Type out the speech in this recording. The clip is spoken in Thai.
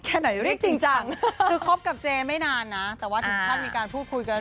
แค่ไหนอยู่นี่จริงจันคือครอบกับเจนไม่นานนะแต่ว่าถึงคาดมีการพูดคุยกัน